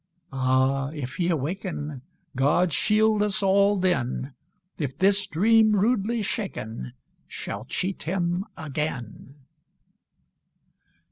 Ah! if he awaken, God shield us all then, If this dream rudely shaken Shall cheat him again!